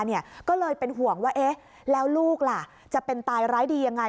นี้ก็เลยเป็นหวังว่าแล้วลูกล่ะจะเป็นตายไร้ดียังไง